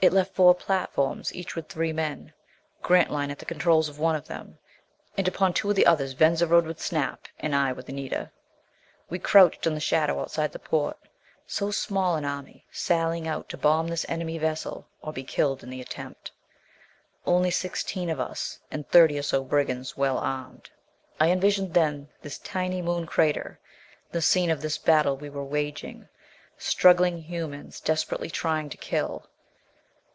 It left four platforms, each with three men Grantline at the controls of one of them. And upon two of the others, Venza rode with Snap and I with Anita. We crouched in the shadows outside the port. So small an army, sallying out to bomb this enemy vessel or be killed in the attempt! Only sixteen of us. And thirty or so brigands well armed. I envisioned then this tiny Moon crater, the scene of this battle we were waging. Struggling humans, desperately trying to kill!